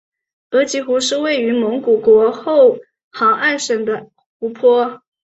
额吉湖是位于蒙古国后杭爱省的湖泊。